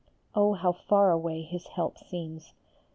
Oh, how far away His help seems!